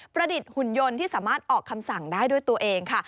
ประดิษฐ์หุ่นยนต์ที่สามารถออกคำสั่งได้ด้วยตัวเองค่ะ